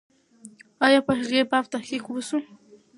آیا په هغې باب تحقیق و سو؟